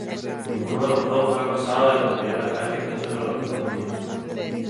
Ninguno de los dos fue acusado de conspirar ataques dentro de los Estados Unidos.